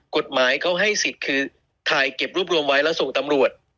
กฎหมายเขาให้สิทธิ์คือถ่ายเก็บรวบรวมไว้แล้วส่งตำรวจ